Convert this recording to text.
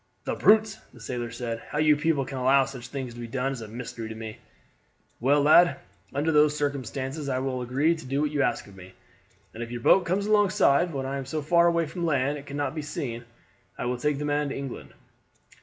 "The brutes!" the sailor said. "How you people can allow such things to be done is a mystery to me. Well, lad, under those circumstances I will agree to do what you ask me, and if your boat comes alongside when I am so far away from land that it cannot be seen, I will take the man to England."